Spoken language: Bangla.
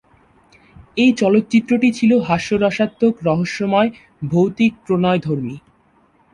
এই চলচ্চিত্রটি ছিলো হাস্যরসাত্মক-রহস্যময়-ভৌতিক-প্রণয়ধর্মী।